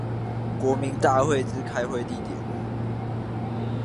國民大會之開會地點